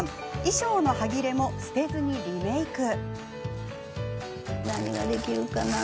衣装のはぎれも捨てずにリメーク。